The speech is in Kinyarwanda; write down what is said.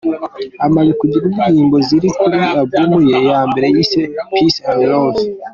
Amaze kugira indirimbo ziri kuri album ye ya mbere yise ‘Peace and love.